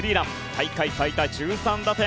大会最多１３打点。